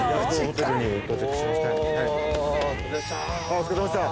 お疲れさまでした。